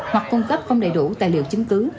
hoặc cung cấp không đầy đủ tài liệu chứng cứ